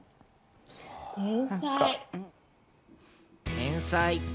天才！